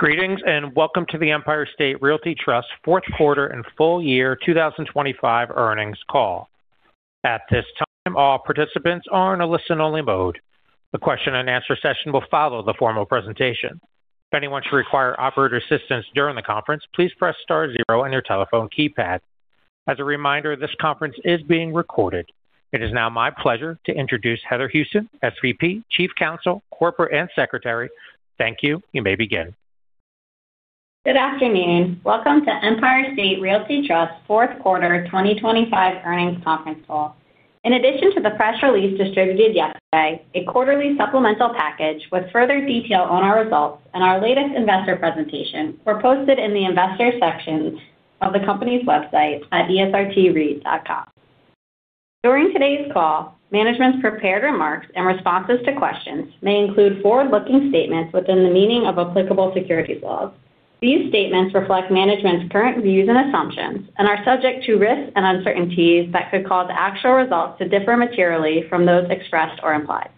Greetings, and welcome to the Empire State Realty Trust Fourth Quarter and Full Year 2025 Earnings Call. At this time, all participants are in a listen-only mode. The question-and-answer session will follow the formal presentation. If anyone should require operator assistance during the conference, please press star zero on your telephone keypad. As a reminder, this conference is being recorded. It is now my pleasure to introduce Heather Houston, SVP, Chief Counsel, Corporate, and Secretary. Thank you. You may begin. Good afternoon. Welcome to Empire State Realty Trust fourth quarter 2025 earnings conference call. In addition to the press release distributed yesterday, a quarterly supplemental package with further detail on our results and our latest investor presentation were posted in the Investors section of the company's website at esrtreit.com. During today's call, management's prepared remarks and responses to questions may include forward-looking statements within the meaning of applicable securities laws. These statements reflect management's current views and assumptions and are subject to risks and uncertainties that could cause actual results to differ materially from those expressed or implied.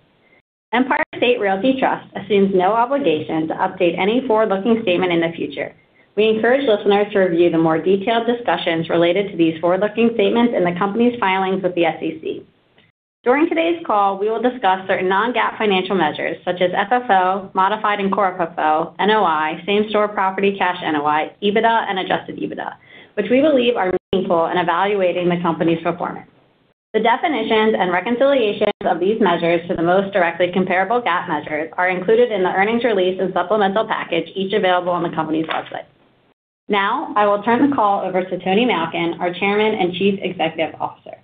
Empire State Realty Trust assumes no obligation to update any forward-looking statement in the future. We encourage listeners to review the more detailed discussions related to these forward-looking statements in the company's filings with the SEC. During today's call, we will discuss certain non-GAAP financial measures such as FFO, modified and core FFO, NOI, same-store property cash NOI, EBITDA and Adjusted EBITDA, which we believe are meaningful in evaluating the company's performance. The definitions and reconciliations of these measures to the most directly comparable GAAP measures are included in the earnings release and supplemental package, each available on the company's website. Now, I will turn the call over to Tony Malkin, our Chairman and Chief Executive Officer.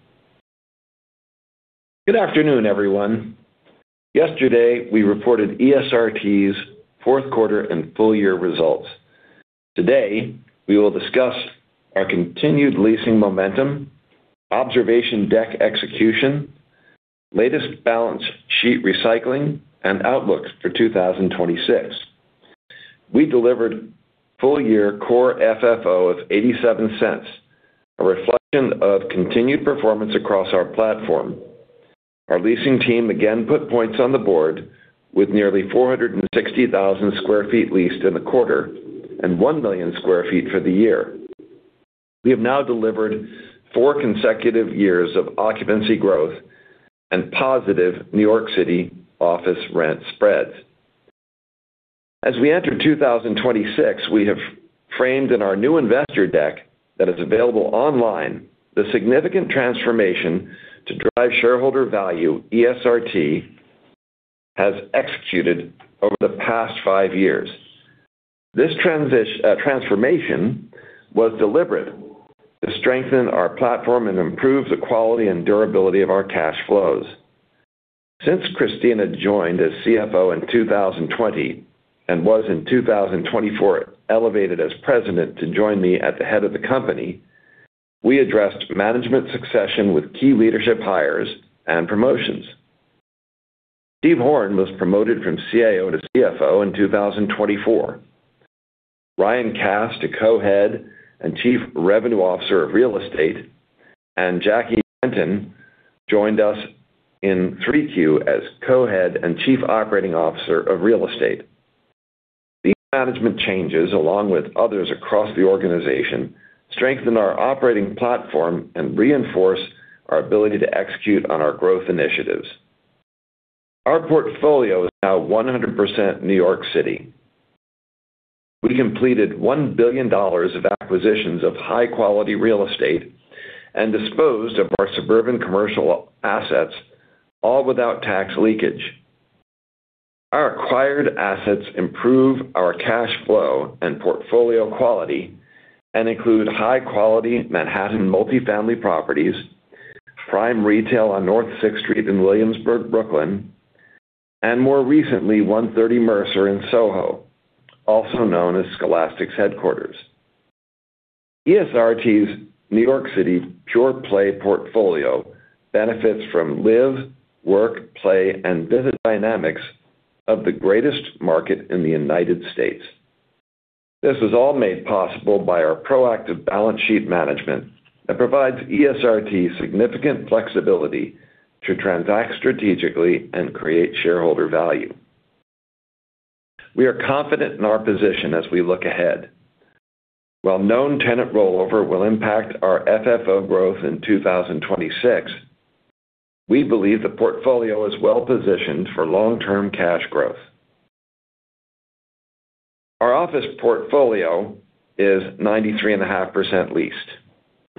Good afternoon, everyone. Yesterday, we reported ESRT's fourth quarter and full-year results. Today, we will discuss our continued leasing momentum, observation deck execution, latest balance sheet recycling, and outlooks for 2026. We delivered full-year core FFO of $0.87, a reflection of continued performance across our platform. Our leasing team again put points on the board with nearly 460,000 sq ft leased in the quarter and 1,000,000 sq ft for the year. We have now delivered 4 consecutive years of occupancy growth and positive New York City office rent spreads. As we enter 2026, we have framed in our new investor deck, that is available online, the significant transformation to drive shareholder value ESRT has executed over the past 5 years. This transformation was deliberate to strengthen our platform and improve the quality and durability of our cash flows. Since Christina joined as CFO in 2020 and was in 2024 elevated as president to join me at the head of the company, we addressed management succession with key leadership hires and promotions. Steve Horn was promoted from CAO to CFO in 2024, Ryan Kass to Co-Head and Chief Revenue Officer of Real Estate, and Jackie Renton joined us in 3Q as Co-Head and Chief Operating Officer of Real Estate. These management changes, along with others across the organization, strengthen our operating platform and reinforce our ability to execute on our growth initiatives. Our portfolio is now 100% New York City. We completed $1 billion of acquisitions of high-quality real estate and disposed of our suburban commercial assets, all without tax leakage. Our acquired assets improve our cash flow and portfolio quality and include high-quality Manhattan multifamily properties, prime retail on North 6th Street in Williamsburg, Brooklyn, and more recently, 130 Mercer in SoHo, also known as Scholastic's Headquarters. ESRT's New York City pure-play portfolio benefits from live, work, play, and visit dynamics of the greatest market in the United States. This is all made possible by our proactive balance sheet management that provides ESRT significant flexibility to transact strategically and create shareholder value. We are confident in our position as we look ahead. While known tenant rollover will impact our FFO growth in 2026, we believe the portfolio is well-positioned for long-term cash growth. Our Office portfolio is 93.5% leased.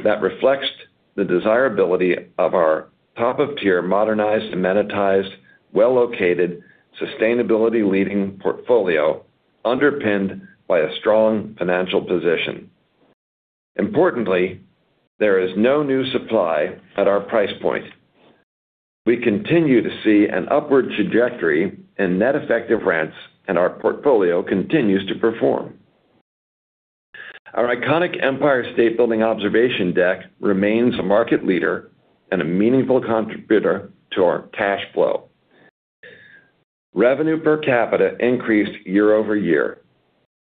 That reflects the desirability of our top-of-tier, modernized, amenitized, well-located, sustainability leading portfolio, underpinned by a strong financial position. Importantly, there is no new supply at our price point. We continue to see an upward trajectory in net effective rents, and our portfolio continues to perform. Our iconic Empire State Building observation deck remains a market leader and a meaningful contributor to our cash flow. Revenue per capita increased year-over-year.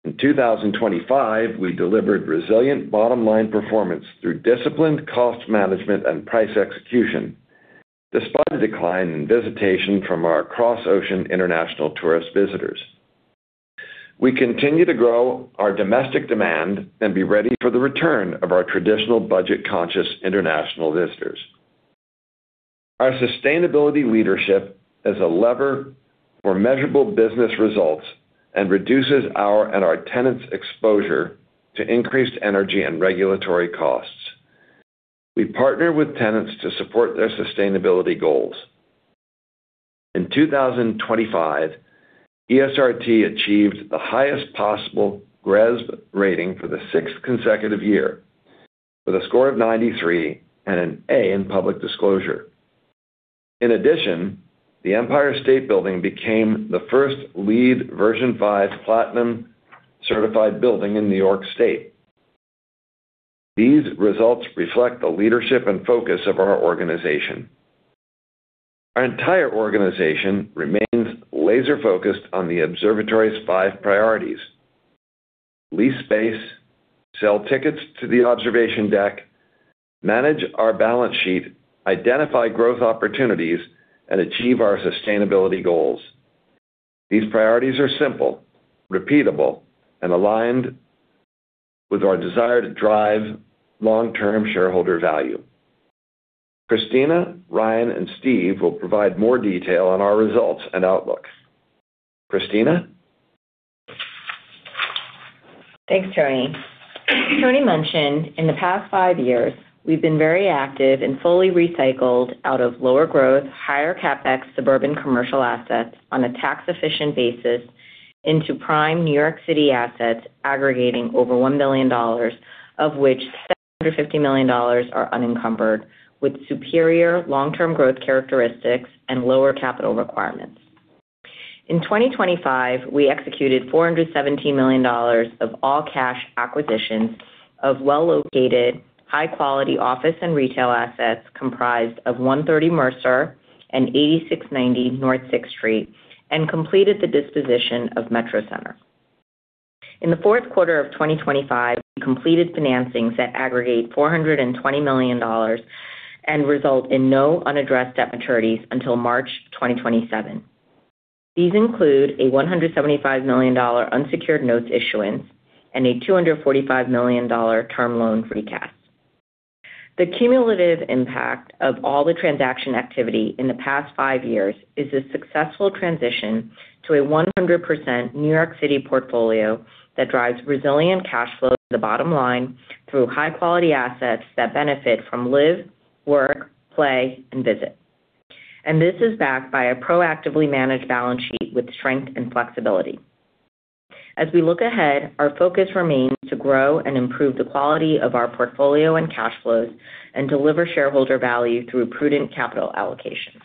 In 2025, we delivered resilient bottom-line performance through disciplined cost management and price execution... despite a decline in visitation from our cross-ocean international tourist visitors. We continue to grow our domestic demand and be ready for the return of our traditional budget-conscious international visitors. Our sustainability leadership is a lever for measurable business results and reduces our and our tenants' exposure to increased energy and regulatory costs. We partner with tenants to support their sustainability goals. In 2025, ESRT achieved the highest possible GRESB rating for the sixth consecutive year, with a score of 93 and an A in public disclosure. In addition, the Empire State Building became the first LEED Version 5 Platinum certified building in New York State. These results reflect the leadership and focus of our organization. Our entire organization remains laser-focused on the Observatory's 5 priorities: lease space, sell tickets to the observation deck, manage our balance sheet, identify growth opportunities, and achieve our sustainability goals. These priorities are simple, repeatable, and aligned with our desire to drive long-term shareholder value. Christina, Ryan, and Steve will provide more detail on our results and outlook. Christina? Thanks, Tony. Tony mentioned in the past five years, we've been very active and fully recycled out of lower growth, higher CapEx suburban commercial assets on a tax-efficient basis into prime New York City assets aggregating over $1 billion, of which $750 million are unencumbered, with superior long-term growth characteristics and lower capital requirements. In 2025, we executed $417 million of all-cash acquisitions of well-located, high-quality office and retail assets, comprised of 130 Mercer and 86-90 North 6th Street, and completed the disposition of Metro Center. In the fourth quarter of 2025, we completed financings that aggregate $420 million and result in no unaddressed debt maturities until March 2027. These include a $175 million unsecured notes issuance and a $245 million term loan recast. The cumulative impact of all the transaction activity in the past 5 years is a successful transition to a 100% New York City portfolio that drives resilient cash flow to the bottom line through high-quality assets that benefit from live, work, play, and visit. This is backed by a proactively managed balance sheet with strength and flexibility. As we look ahead, our focus remains to grow and improve the quality of our portfolio and cash flows and deliver shareholder value through prudent capital allocations.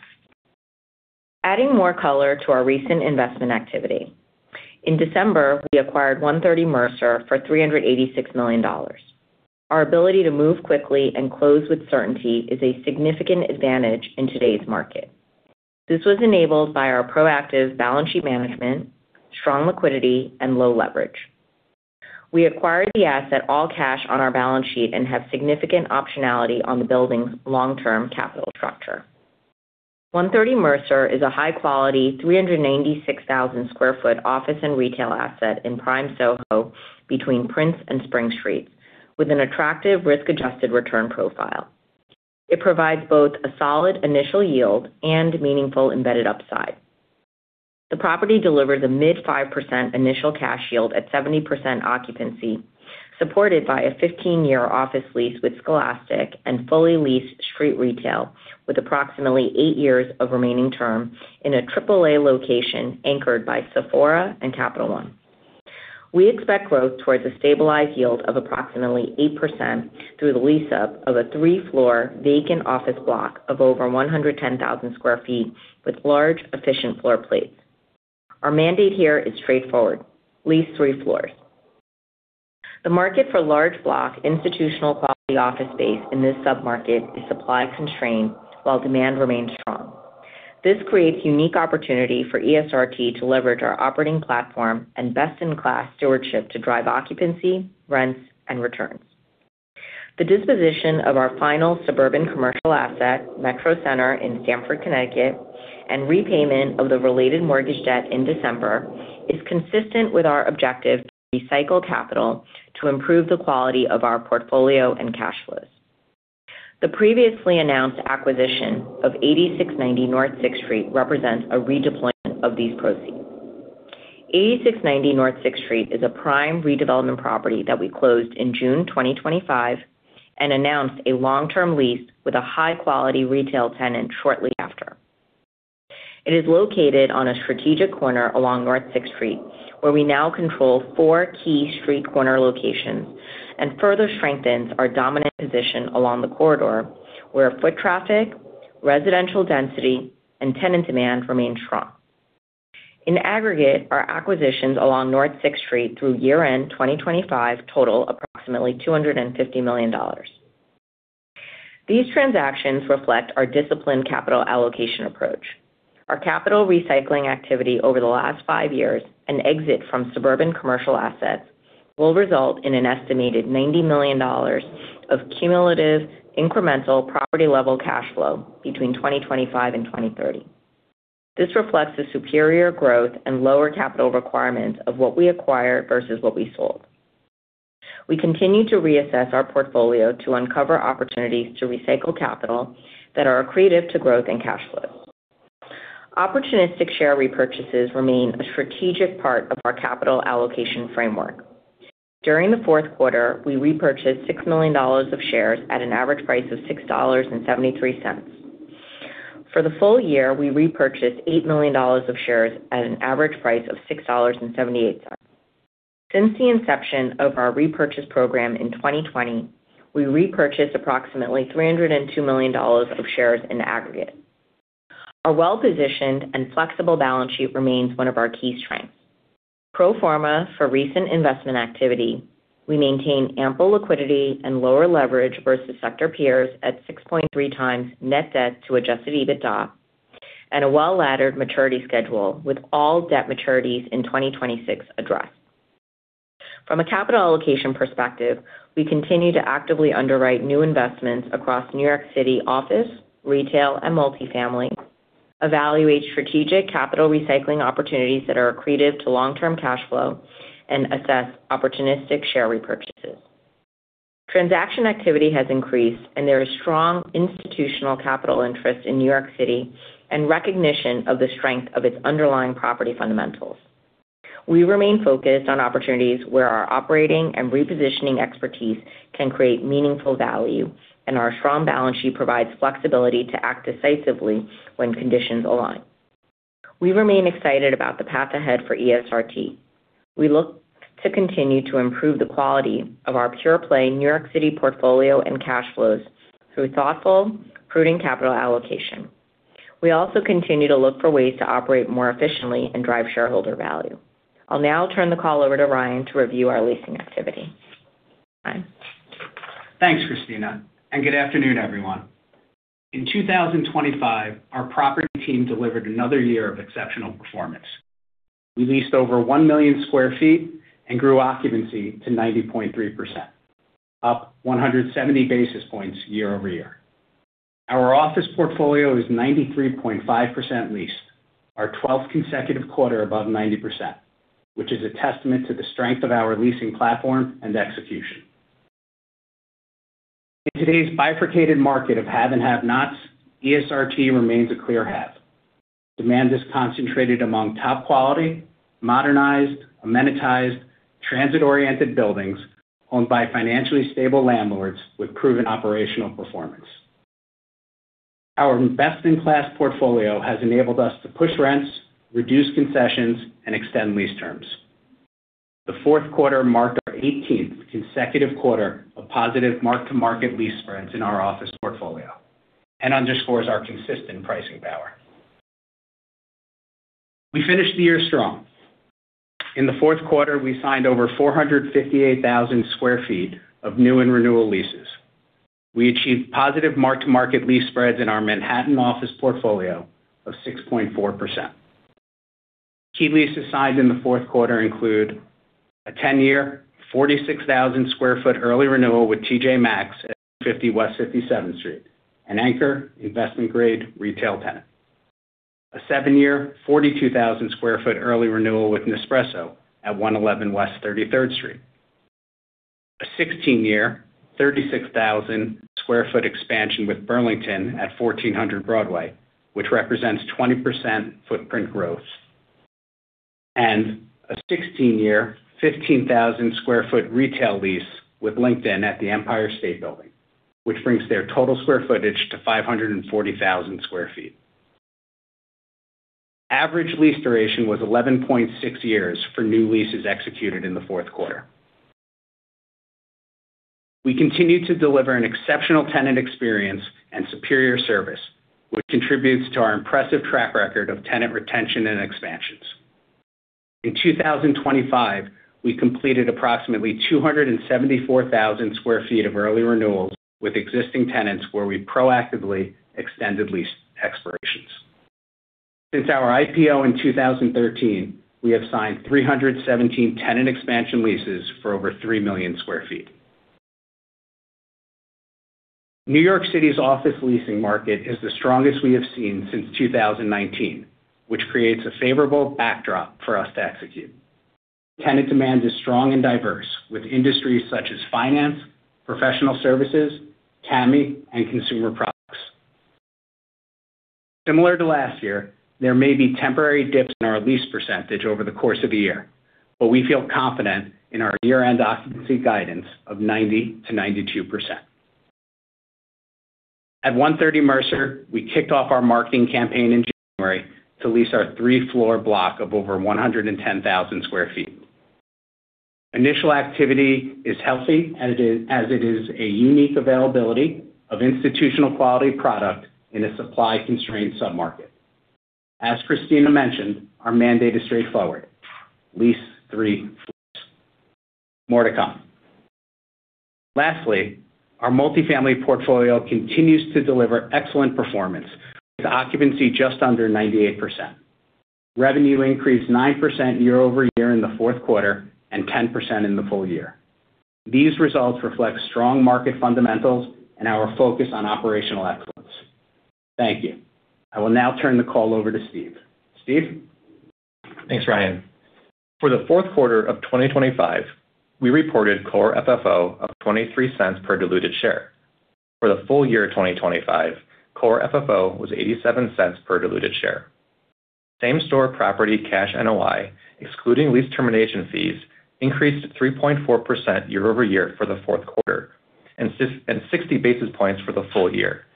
Adding more color to our recent investment activity, in December, we acquired 130 Mercer for $386 million. Our ability to move quickly and close with certainty is a significant advantage in today's market. This was enabled by our proactive balance sheet management, strong liquidity, and low leverage. We acquired the asset all cash on our balance sheet and have significant optionality on the building's long-term capital structure. 130 Mercer is a high-quality, 396,000 sq ft office and retail asset in prime SoHo between Prince and Spring Street, with an attractive risk-adjusted return profile. It provides both a solid initial yield and meaningful embedded upside. The property delivered a mid-5% initial cash yield at 70% occupancy, supported by a 15-year office lease with Scholastic and fully leased street retail, with approximately 8 years of remaining term in a Triple A location anchored by Sephora and Capital One. We expect growth towards a stabilized yield of approximately 8% through the lease-up of a 3-floor vacant office block of over 110,000 sq ft, with large, efficient floor plates. Our mandate here is straightforward: lease 3 floors. The market for large block, institutional quality office space in this submarket is supply-constrained, while demand remains strong. This creates unique opportunity for ESRT to leverage our operating platform and best-in-class stewardship to drive occupancy, rents, and returns. The disposition of our final suburban commercial asset, Metro Center in Stamford, Connecticut, and repayment of the related mortgage debt in December, is consistent with our objective to recycle capital to improve the quality of our portfolio and cash flows. The previously announced acquisition of 86-90 North 6th Street represents a redeployment of these proceeds. 86-90 North 6th Street is a prime redevelopment property that we closed in June 2025 and announced a long-term lease with a high-quality retail tenant shortly after. It is located on a strategic corner along North 6th Street, where we now control four key street corner locations and further strengthens our dominant position along the corridor, where foot traffic, residential density, and tenant demand remain strong. In aggregate, our acquisitions along North 6th Street through year-end 2025 total approximately $250 million. These transactions reflect our disciplined capital allocation approach.... Our capital recycling activity over the last five years and exit from suburban commercial assets will result in an estimated $90 million of cumulative incremental property level cash flow between 2025 and 2030. This reflects the superior growth and lower capital requirements of what we acquired versus what we sold. We continue to reassess our portfolio to uncover opportunities to recycle capital that are accretive to growth and cash flow. Opportunistic share repurchases remain a strategic part of our capital allocation framework. During the fourth quarter, we repurchased $6 million of shares at an average price of $6.73. For the full year, we repurchased $8 million of shares at an average price of $6.78. Since the inception of our repurchase program in 2020, we repurchased approximately $302 million of shares in aggregate. Our well-positioned and flexible balance sheet remains one of our key strengths. Pro forma for recent investment activity, we maintain ample liquidity and lower leverage versus sector peers at 6.3x Net Debt to Adjusted EBITDA and a well-laddered maturity schedule, with all debt maturities in 2026 addressed. From a capital allocation perspective, we continue to actively underwrite new investments across New York City office, retail, and multifamily, evaluate strategic capital recycling opportunities that are accretive to long-term cash flow, and assess opportunistic share repurchases. Transaction activity has increased, and there is strong institutional capital interest in New York City and recognition of the strength of its underlying property fundamentals. We remain focused on opportunities where our operating and repositioning expertise can create meaningful value, and our strong balance sheet provides flexibility to act decisively when conditions align. We remain excited about the path ahead for ESRT. We look to continue to improve the quality of our pure-play New York City portfolio and cash flows through thoughtful, prudent capital allocation. We also continue to look for ways to operate more efficiently and drive shareholder value. I'll now turn the call over to Ryan to review our leasing activity. Ryan? Thanks, Christina, and good afternoon, everyone. In 2025, our property team delivered another year of exceptional performance. We leased over 1 million sq ft and grew occupancy to 90.3%, up 170 basis points year-over-year. Our office portfolio is 93.5% leased, our 12th consecutive quarter above 90%, which is a testament to the strength of our leasing platform and execution. In today's bifurcated market of have and have-nots, ESRT remains a clear have. Demand is concentrated among top-quality, modernized, amenitized, transit-oriented buildings owned by financially stable landlords with proven operational performance. Our best-in-class portfolio has enabled us to push rents, reduce concessions, and extend lease terms. The fourth quarter marked our 18th consecutive quarter of positive mark-to-market lease spreads in our office portfolio and underscores our consistent pricing power. We finished the year strong. In the fourth quarter, we signed over 458,000 sq ft of new and renewal leases. We achieved positive mark-to-market lease spreads in our Manhattan office portfolio of 6.4%. Key leases signed in the fourth quarter include a 10-year, 46,000 sq ft early renewal with TJ Maxx at 350 West 57th Street, an anchor investment-grade retail tenant, a 7-year, 42,000 sq ft early renewal with Nespresso at 111 West 33rd Street, a 16-year, 36,000 sq ft expansion with Burlington at 1400 Broadway, which represents 20% footprint growth, and a 16-year, 15,000 sq ft retail lease with LinkedIn at the Empire State Building, which brings their total square footage to 540,000 sq ft. Average lease duration was 11.6 years for new leases executed in the fourth quarter. We continue to deliver an exceptional tenant experience and superior service, which contributes to our impressive track record of tenant retention and expansions. In 2025, we completed approximately 274,000 sq ft of early renewals with existing tenants, where we proactively extended lease expirations. Since our IPO in 2013, we have signed 317 tenant expansion leases for over 3 million sq ft. New York City's office leasing market is the strongest we have seen since 2019, which creates a favorable backdrop for us to execute. Tenant demand is strong and diverse, with industries such as finance, professional services, TAMI, and consumer products. Similar to last year, there may be temporary dips in our lease percentage over the course of the year, but we feel confident in our year-end occupancy guidance of 90%-92%. At 130 Mercer, we kicked off our marketing campaign in January to lease our three-floor block of over 110,000 sq ft. Initial activity is healthy, as it is a unique availability of institutional quality product in a supply-constrained submarket. As Christina mentioned, our mandate is straightforward: lease three floors. More to come. Lastly, our multifamily portfolio continues to deliver excellent performance, with occupancy just under 98%. Revenue increased 9% YoY in the fourth quarter and 10% in the full year. These results reflect strong market fundamentals and our focus on operational excellence. Thank you. I will now turn the call over to Steve. Steve? Thanks, Ryan. For the fourth quarter of 2025, we reported core FFO of $0.23 per diluted share. For the full year of 2025, core FFO was $0.87 per diluted share. Same-store property cash NOI, excluding lease termination fees, increased 3.4% YoY for the fourth quarter and 60 basis points for the full year,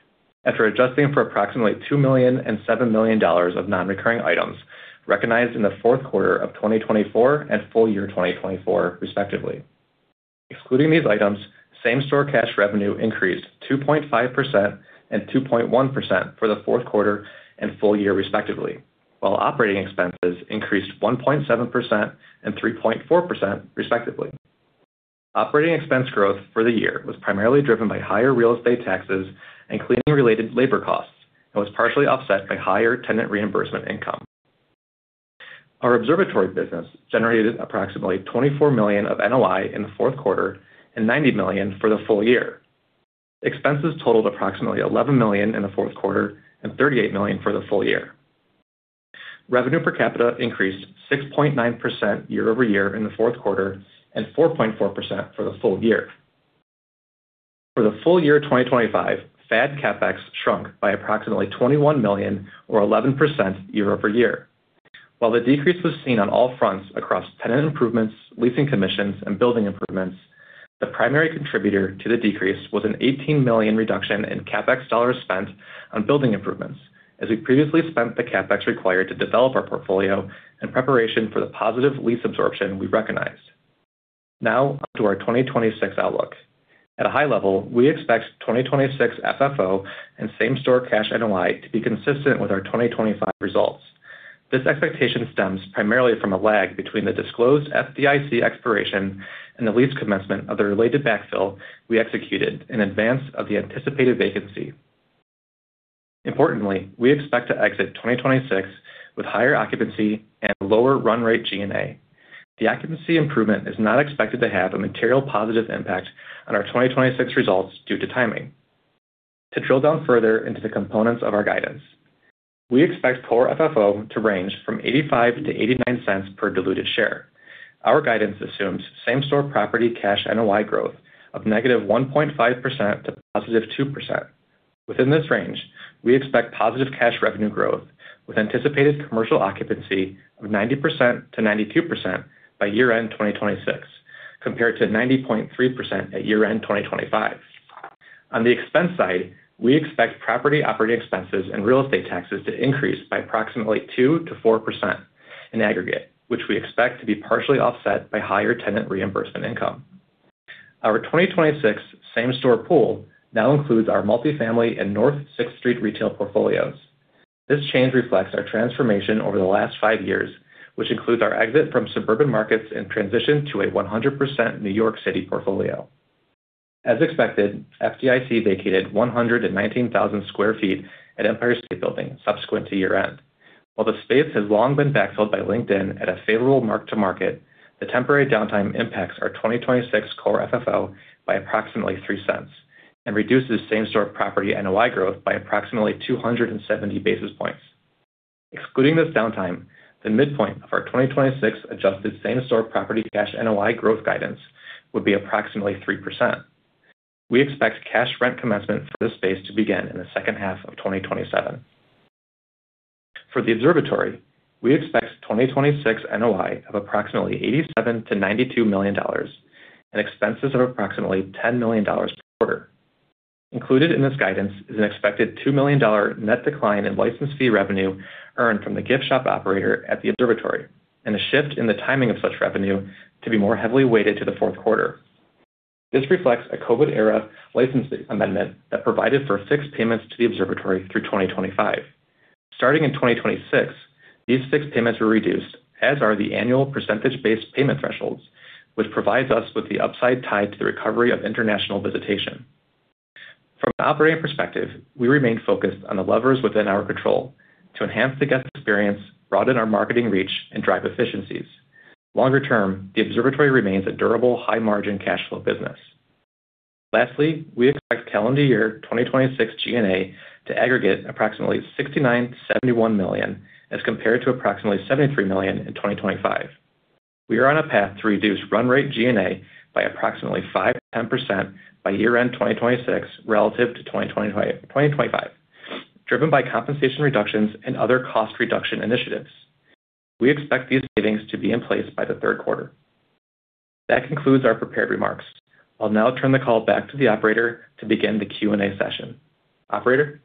after adjusting for approximately $2 million and $7 million of non-recurring items recognized in the fourth quarter of 2024 and full year 2024, respectively. Excluding these items, same-store cash revenue increased 2.5% and 2.1% for the fourth quarter and full year, respectively, while operating expenses increased 1.7% and 3.4%, respectively. Operating expense growth for the year was primarily driven by higher real estate taxes and cleaning-related labor costs and was partially offset by higher tenant reimbursement income. Our Observatory business generated approximately $24 million of NOI in the fourth quarter and $90 million for the full year. Expenses totaled approximately $11 million in the fourth quarter and $38 million for the full year. Revenue per capita increased 6.9% YoY in the fourth quarter and 4.4% for the full year. For the full year of 2025, FAD CapEx shrunk by approximately $21 million or 11% YoY. While the decrease was seen on all fronts across tenant improvements, leasing commissions, and building improvements, the primary contributor to the decrease was an $18 million reduction in CapEx dollars spent on building improvements, as we previously spent the CapEx required to develop our portfolio in preparation for the positive lease absorption we recognized. Now on to our 2026 outlook. At a high level, we expect 2026 FFO and same-store cash NOI to be consistent with our 2025 results. This expectation stems primarily from a lag between the disclosed FDIC expiration and the lease commencement of the related backfill we executed in advance of the anticipated vacancy. Importantly, we expect to exit 2026 with higher occupancy and lower run rate G&A. The occupancy improvement is not expected to have a material positive impact on our 2026 results due to timing. To drill down further into the components of our guidance, we expect core FFO to range from $0.85-$0.89 per diluted share. Our guidance assumes same-store property cash NOI growth of -1.5% to +2%. Within this range, we expect positive cash revenue growth with anticipated commercial occupancy of 90%-92% by year-end 2026, compared to 90.3% at year-end 2025. On the expense side, we expect property operating expenses and real estate taxes to increase by approximately 2%-4% in aggregate, which we expect to be partially offset by higher tenant reimbursement income. Our 2026 same-store pool now includes our multifamily and North 6th Street retail portfolios. This change reflects our transformation over the last 5 years, which includes our exit from suburban markets and transition to a 100% New York City portfolio. As expected, FDIC vacated 119,000 sq ft at Empire State Building subsequent to year-end. While the space has long been backfilled by LinkedIn at a favorable mark-to-market, the temporary downtime impacts our 2026 core FFO by approximately $0.03 and reduces same-store property NOI growth by approximately 270 basis points. Excluding this downtime, the midpoint of our 2026 adjusted same-store property cash NOI growth guidance would be approximately 3%. We expect cash rent commencement for this space to begin in the second half of 2027. For the Observatory, we expect 2026 NOI of approximately $87 million-$92 million and expenses of approximately $10 million per quarter. Included in this guidance is an expected $2 million net decline in license fee revenue earned from the gift shop operator at the Observatory, and a shift in the timing of such revenue to be more heavily weighted to the fourth quarter. This reflects a COVID-era license amendment that provided for fixed payments to the Observatory through 2025. Starting in 2026, these fixed payments were reduced, as are the annual percentage-based payment thresholds, which provides us with the upside tied to the recovery of international visitation. From an operating perspective, we remain focused on the levers within our control to enhance the guest experience, broaden our marketing reach, and drive efficiencies. Longer term, the Observatory remains a durable, high-margin cash flow business. Lastly, we expect calendar year 2026 G&A to aggregate approximately $69 million-$71 million, as compared to approximately $73 million in 2025. We are on a path to reduce run rate G&A by approximately 5%-10% by year-end 2026 relative to 2025, driven by compensation reductions and other cost reduction initiatives. We expect these savings to be in place by the third quarter. That concludes our prepared remarks. I'll now turn the call back to the operator to begin the Q&A session. Operator?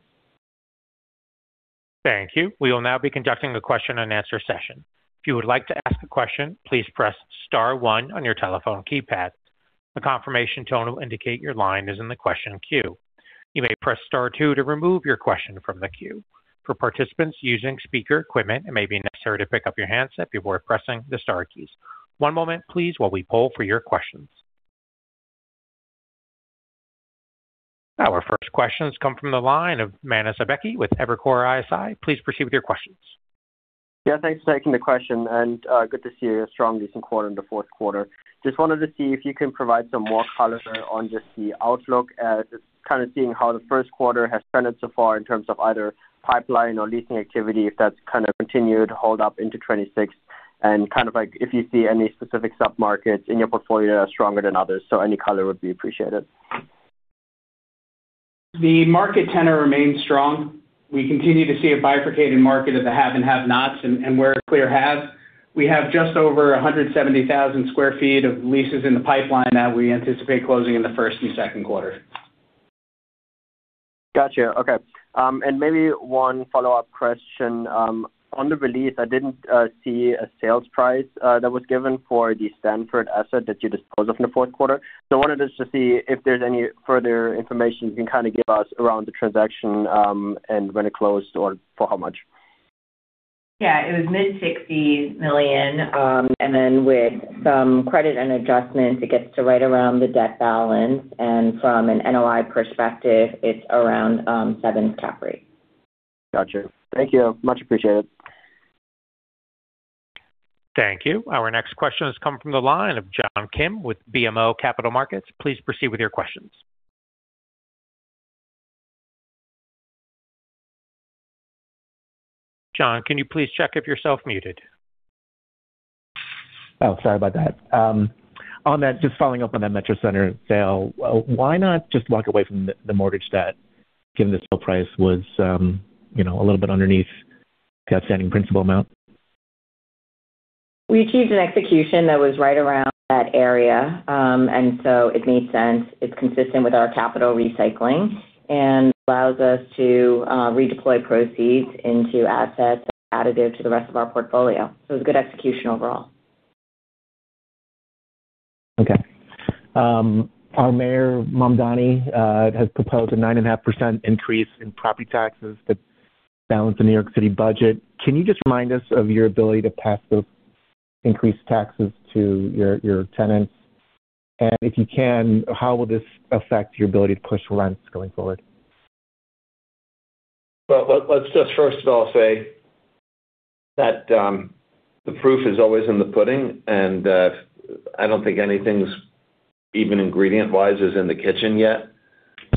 Thank you. We will now be conducting a question-and-answer session. If you would like to ask a question, please press star one on your telephone keypad. A confirmation tone will indicate your line is in the question queue. You may press star two to remove your question from the queue. For participants using speaker equipment, it may be necessary to pick up your handset before pressing the star keys. One moment please, while we poll for your questions. Our first questions come from the line of Manus Ebbecke with Evercore ISI. Please proceed with your questions. Yeah, thanks for taking the question, and good to see you. A strong leasing quarter in the fourth quarter. Just wanted to see if you can provide some more color on just the outlook as just kind of seeing how the first quarter has trended so far in terms of either pipeline or leasing activity, if that's kind of continued to hold up into 2026. And kind of like, if you see any specific submarkets in your portfolio stronger than others. So any color would be appreciated. The market tenor remains strong. We continue to see a bifurcating market of the have and have-nots, and we're a clear have. We have just over 170,000 sq ft of leases in the pipeline that we anticipate closing in the first and second quarter. Got you. Okay. Maybe one follow-up question. On the release, I didn't see a sales price that was given for the Stamford asset that you disposed of in the fourth quarter. So I wanted to just see if there's any further information you can kind of give us around the transaction, and when it closed or for how much? Yeah, it was mid-$60 million, and then with some credit and adjustments, it gets to right around the debt balance, and from an NOI perspective, it's around 7 cap rate. Got you. Thank you. Much appreciated. Thank you. Our next question has come from the line of John Kim with BMO Capital Markets. Please proceed with your questions. John, can you please check if you're self-muted? Oh, sorry about that. On that, just following up on that Metro Center sale, why not just walk away from the, the mortgage debt, given the sale price was, you know, a little bit underneath the outstanding principal amount? We achieved an execution that was right around that area, and so it made sense. It's consistent with our capital recycling and allows us to redeploy proceeds into assets additive to the rest of our portfolio. So it was a good execution overall. Okay. Our mayor, Mamdani, has proposed a 9.5% increase in property taxes to balance the New York City budget. Can you just remind us of your ability to pass those increased taxes to your tenants? And if you can, how will this affect your ability to push rents going forward? Well, let's just first of all say that, the proof is always in the pudding, and, I don't think anything's even ingredient wise, is in the kitchen yet.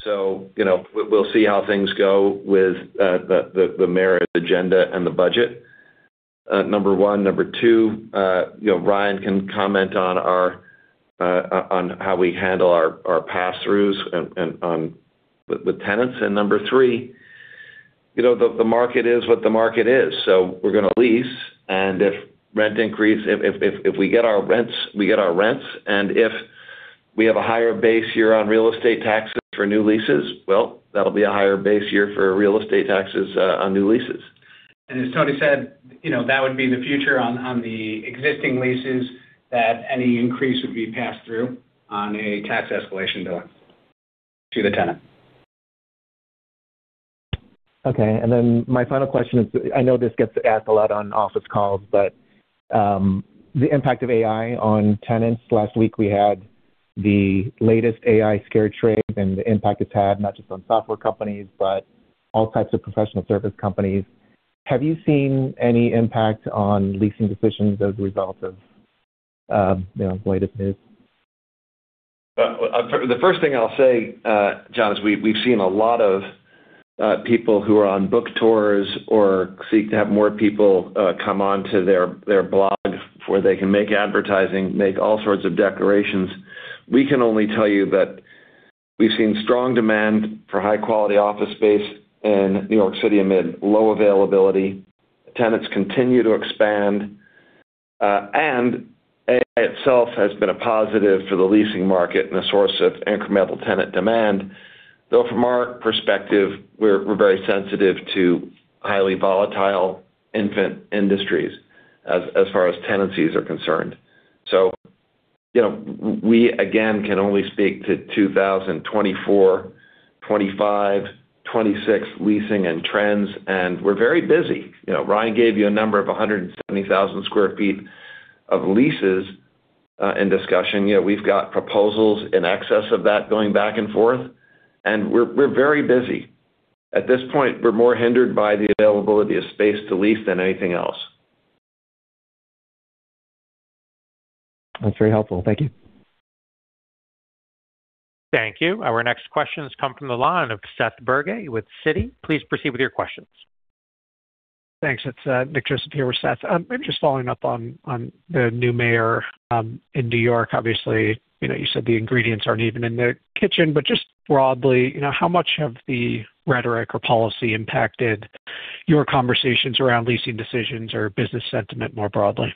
So, you know, we'll see how things go with, the mayor's agenda and the budget, number one. Number two, you know, Ryan can comment on our, on how we handle our pass-throughs and, with tenants. And number three, you know, the market is what the market is, so we're gonna lease, and if rent increase-- if, if, if we get our rents, we get our rents, and if we have a higher base year on real estate taxes for new leases, well, that'll be a higher base year for real estate taxes, on new leases. As Tony said, you know, that would be the future on the existing leases, that any increase would be passed through on a tax escalation bill to the tenant. Okay, and then my final question is, I know this gets asked a lot on office calls, but, the impact of AI on tenants. Last week, we had the latest AI scare trade and the impact it's had, not just on software companies, but all types of professional service companies. Have you seen any impact on leasing decisions as a result of, you know, the latest news? The first thing I'll say, John, is we, we've seen a lot of people who are on book tours or seek to have more people come on to their, their blog, where they can make advertising, make all sorts of declarations. We can only tell you that we've seen strong demand for high-quality office space in New York City amid low availability. Tenants continue to expand and AI itself has been a positive for the leasing market and a source of incremental tenant demand, though from our perspective, we're, we're very sensitive to highly volatile infant industries as, as far as tenancies are concerned. So, you know, we again can only speak to 2024, 2025, 2026 leasing and trends, and we're very busy. You know, Ryan gave you a number of 170,000 sq ft of leases in discussion. You know, we've got proposals in excess of that going back and forth, and we're very busy. At this point, we're more hindered by the availability of space to lease than anything else. That's very helpful. Thank you. Thank you. Our next question has come from the line of Seth Bergey with Citi. Please proceed with your questions. Thanks. It's Nick Joseph here with Seth. Maybe just following up on the new mayor in New York. Obviously, you know, you said the ingredients aren't even in the kitchen, but just broadly, you know, how much have the rhetoric or policy impacted your conversations around leasing decisions or business sentiment more broadly?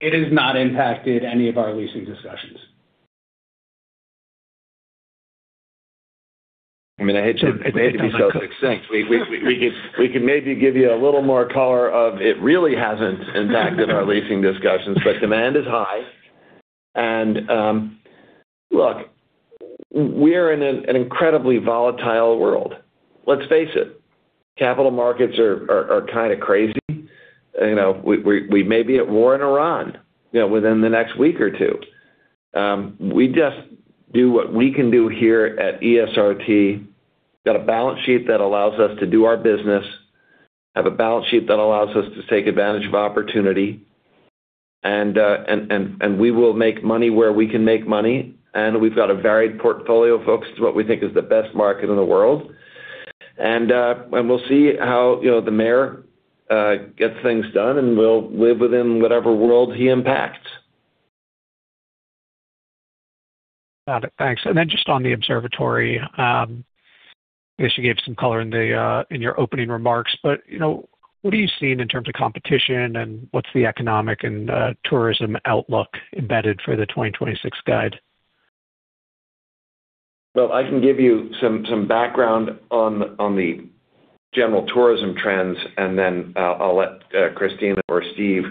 It has not impacted any of our leasing discussions. I mean, I hate to, it may be so extinct. We could maybe give you a little more color of it really hasn't impacted our leasing discussions, but demand is high. And look, we're in an incredibly volatile world. Let's face it, capital markets are kinda crazy. You know, we may be at war in Iran, you know, within the next week or two. We just do what we can do here at ESRT. Got a balance sheet that allows us to do our business, have a balance sheet that allows us to take advantage of opportunity, and we will make money where we can make money, and we've got a varied portfolio, folks, to what we think is the best market in the world. And we'll see how, you know, the mayor gets things done, and we'll live within whatever world he impacts. Got it. Thanks. And then just on the Observatory, I guess you gave some color in the, in your opening remarks, but, you know, what are you seeing in terms of competition, and what's the economic and tourism outlook embedded for the 2026 guide? Well, I can give you some background on the general tourism trends, and then I'll let Christina or Steve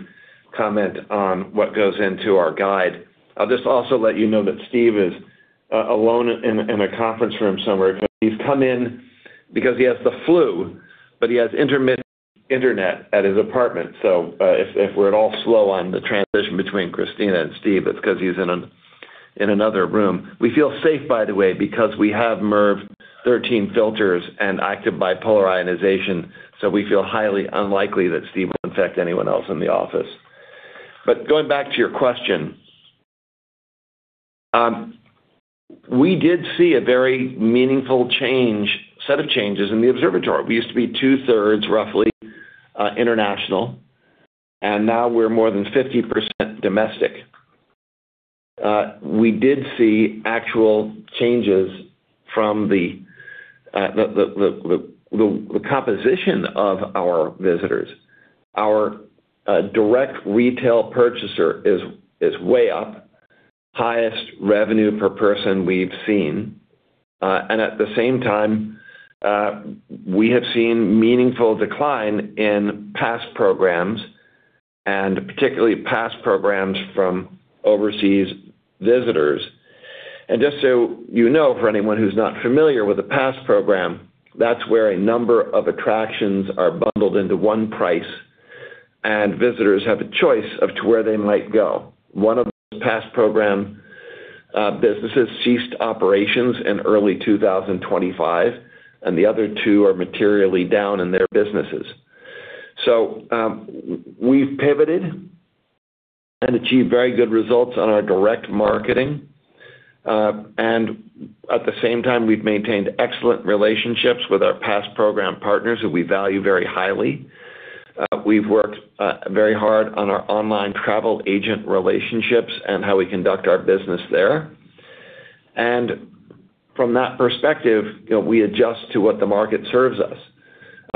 comment on what goes into our guide. I'll just also let you know that Steve is alone in a conference room somewhere. He's come in because he has the flu, but he has intermittent internet at his apartment. So, if we're at all slow on the transition between Christina and Steve, it's 'cause he's in another room. We feel safe, by the way, because we have MERV 13 filters and active bipolar ionization, so we feel highly unlikely that Steve will infect anyone else in the office. But going back to your question, we did see a very meaningful change, set of changes in the Observatory. We used to be two-thirds, roughly, international, and now we're more than 50% domestic. We did see actual changes from the composition of our visitors. Our direct retail purchaser is way up, highest revenue per person we've seen. And at the same time, we have seen meaningful decline in pass programs, and particularly pass programs from overseas visitors. And just so you know, for anyone who's not familiar with the pass program, that's where a number of attractions are bundled into one price, and visitors have a choice of to where they might go. One of the pass program businesses ceased operations in early 2025, and the other two are materially down in their businesses. So, we've pivoted and achieved very good results on our direct marketing, and at the same time, we've maintained excellent relationships with our pass program partners, who we value very highly. We've worked very hard on our online travel agent relationships and how we conduct our business there. And from that perspective, you know, we adjust to what the market serves us.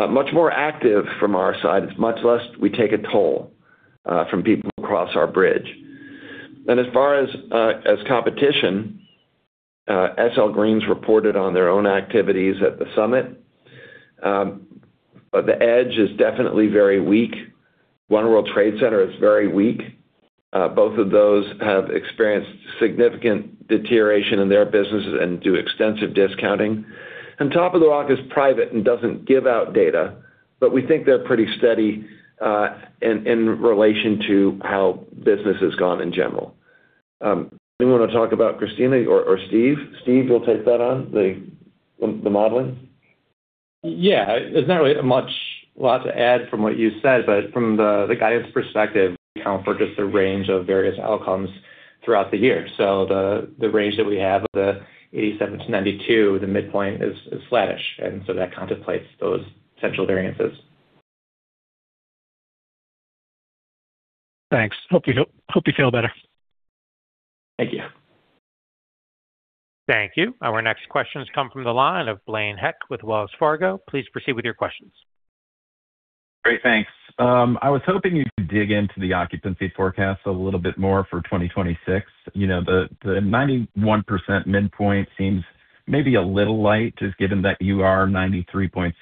Much more active from our side. It's much less we take a toll from people who cross our bridge. And as far as competition, SL Green's reported on their own activities at the Summit. But the Edge is definitely very weak. One World Trade Center is very weak. Both of those have experienced significant deterioration in their businesses and do extensive discounting. Top of the Rock is private and doesn't give out data, but we think they're pretty steady in relation to how business has gone in general. Do you want to talk about Christina or Steve? Steve, you'll take that on, the modeling? Yeah. There's not really much, a lot to add from what you said, but from the guidance perspective, we account for just a range of various outcomes throughout the year. So the range that we have of 87-92, the midpoint is flattish, and so that contemplates those central variances. Thanks. Hope you feel better. Thank you. Thank you. Our next questions come from the line of Blaine Heck with Wells Fargo. Please proceed with your questions. Great, thanks. I was hoping you could dig into the occupancy forecast a little bit more for 2026. You know, the 91% midpoint seems maybe a little light, just given that you are 93.6%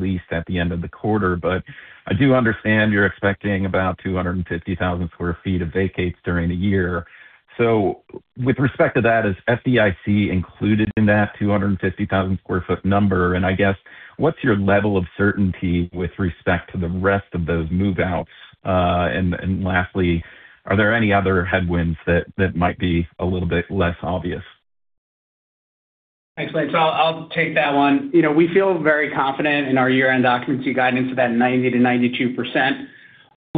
leased at the end of the quarter, but I do understand you're expecting about 250,000 sq ft of vacates during the year. So with respect to that, is FDIC included in that 250,000 sq ft number? And I guess, what's your level of certainty with respect to the rest of those move-outs? And lastly, are there any other headwinds that might be a little bit less obvious? Thanks, Blaine. So I'll, I'll take that one. You know, we feel very confident in our year-end occupancy guidance to that 90%-92%. A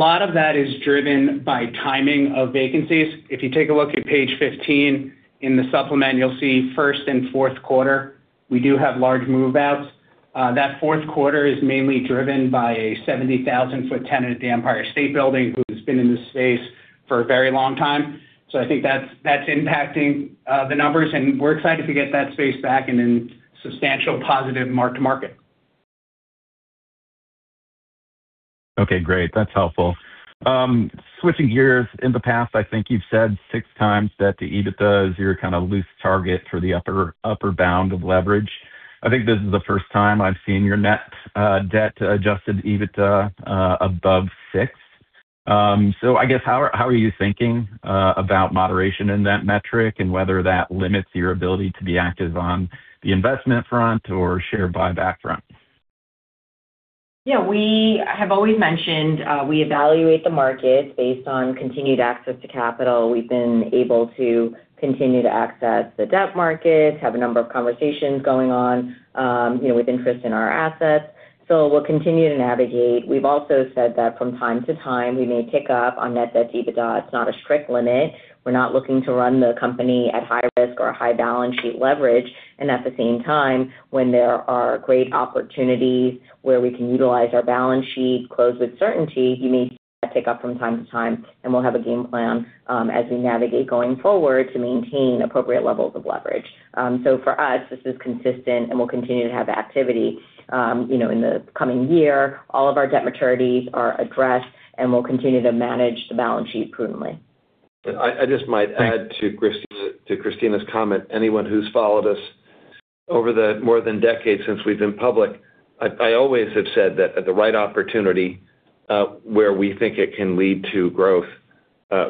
lot of that is driven by timing of vacancies. If you take a look at page 15 in the supplement, you'll see first and fourth quarter, we do have large move-outs. That fourth quarter is mainly driven by a 70,000 sq ft tenant at the Empire State Building, who has been in this space for a very long time. So I think that's, that's impacting the numbers, and we're excited to get that space back in a substantial positive mark-to-market. Okay, great. That's helpful. Switching gears, in the past, I think you've said six times that the EBITDA is your kind of loose target for the upper, upper bound of leverage. I think this is the first time I've seen your Net Debt Adjusted EBITDA above six. So I guess how are you thinking about moderation in that metric and whether that limits your ability to be active on the investment front or share buyback front? Yeah, we have always mentioned, we evaluate the market based on continued access to capital. We've been able to continue to access the debt markets, have a number of conversations going on, you know, with interest in our assets. So we'll continue to navigate. We've also said that from time to time, we may tick up on Net Debt to EBITDA. It's not a strict limit. We're not looking to run the company at high risk or high balance sheet leverage. And at the same time, when there are great opportunities where we can utilize our balance sheet, close with certainty, you may see that tick up from time to time, and we'll have a game plan, as we navigate going forward to maintain appropriate levels of leverage. So for us, this is consistent, and we'll continue to have activity, you know, in the coming year. All of our debt maturities are addressed, and we'll continue to manage the balance sheet prudently. I just might add to Christina's comment. Anyone who's followed us over the more than decade since we've been public, I always have said that at the right opportunity, where we think it can lead to growth,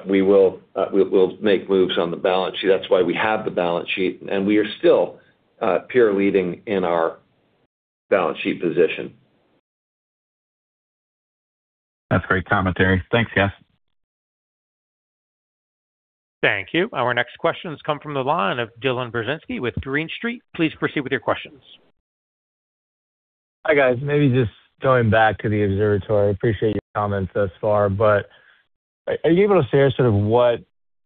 we will, we'll make moves on the balance sheet. That's why we have the balance sheet, and we are still peer leading in our balance sheet position. That's great commentary. Thanks, guys. Thank you. Our next question has come from the line of Dylan Burzinski with Green Street. Please proceed with your questions. Hi, guys. Maybe just going back to the Observatory. I appreciate your comments thus far, but are you able to share sort of what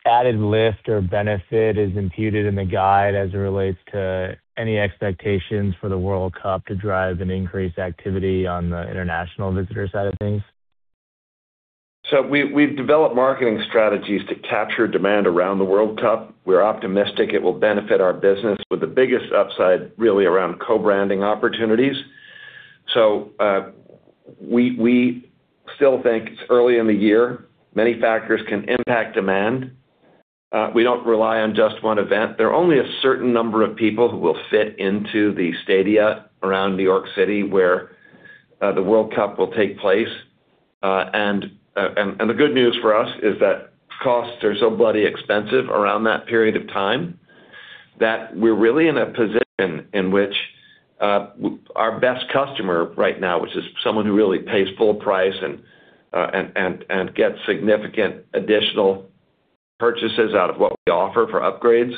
added lift or benefit is imputed in the guide as it relates to any expectations for the World Cup to drive an increased activity on the international visitor side of things? So we've developed marketing strategies to capture demand around the World Cup. We're optimistic it will benefit our business, with the biggest upside really around co-branding opportunities. So we still think it's early in the year. Many factors can impact demand. We don't rely on just one event. There are only a certain number of people who will fit into the stadia around New York City, where the World Cup will take place. And the good news for us is that costs are so bloody expensive around that period of time, that we're really in a position in which our best customer right now, which is someone who really pays full price and gets significant additional purchases out of what we offer for upgrades,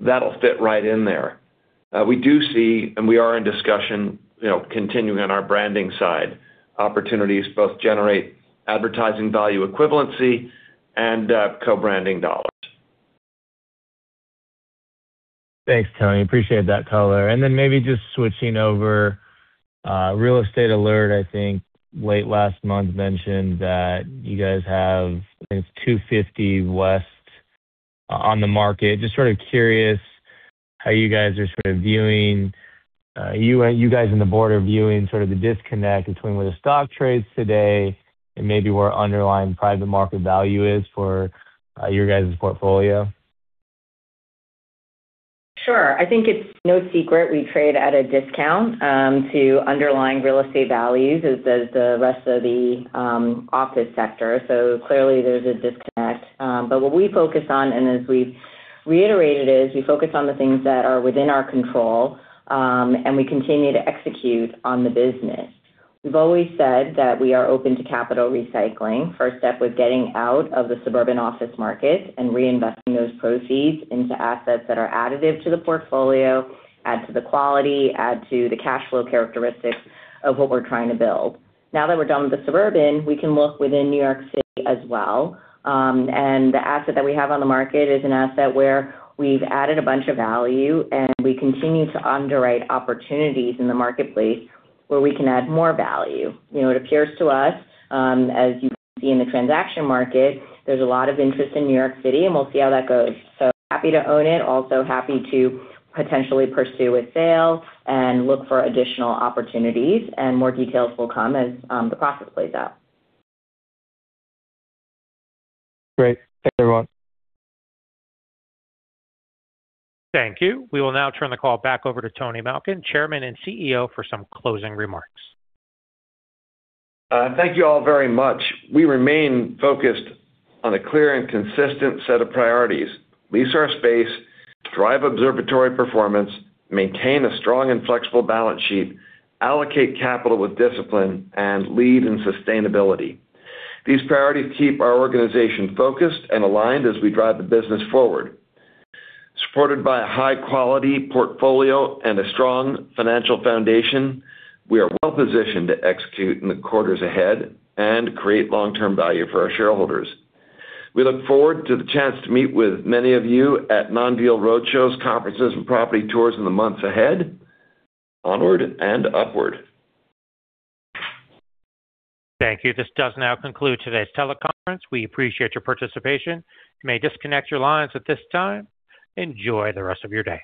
that'll fit right in there. We do see, and we are in discussion, you know, continuing on our branding side, opportunities both generate advertising value equivalency and co-branding dollars. Thanks, Tony. Appreciate that color. And then maybe just switching over, Real Estate Alert, I think, late last month, mentioned that you guys have, I think, it's 250 West on the market. Just sort of curious how you guys are sort of viewing, you, you guys on the board are viewing sort of the disconnect between where the stock trades today and maybe where underlying private market value is for, your guys' portfolio? Sure. I think it's no secret we trade at a discount to underlying real estate values, as does the rest of the office sector. So clearly, there's a disconnect. But what we focus on, and as we've reiterated, is we focus on the things that are within our control, and we continue to execute on the business. We've always said that we are open to capital recycling. First step was getting out of the suburban office market and reinvesting those proceeds into assets that are additive to the portfolio, add to the quality, add to the cash flow characteristics of what we're trying to build. Now that we're done with the suburban, we can look within New York City as well. The asset that we have on the market is an asset where we've added a bunch of value, and we continue to underwrite opportunities in the marketplace where we can add more value. You know, it appears to us, as you can see in the transaction market, there's a lot of interest in New York City, and we'll see how that goes. Happy to own it, also happy to potentially pursue a sale and look for additional opportunities, and more details will come as the process plays out. Great. Thanks, everyone. Thank you. We will now turn the call back over to Tony Malkin, Chairman and CEO, for some closing remarks. Thank you all very much. We remain focused on a clear and consistent set of priorities: lease our space, drive Observatory performance, maintain a strong and flexible balance sheet, allocate capital with discipline, and lead in sustainability. These priorities keep our organization focused and aligned as we drive the business forward. Supported by a high-quality portfolio and a strong financial foundation, we are well-positioned to execute in the quarters ahead and create long-term value for our shareholders. We look forward to the chance to meet with many of you at non-deal roadshows, conferences, and property tours in the months ahead. Onward and upward. Thank you. This does now conclude today's teleconference. We appreciate your participation. You may disconnect your lines at this time. Enjoy the rest of your day.